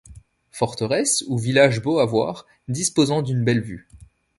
Forteresse ou village beau à voir, disposant d'une belle vue.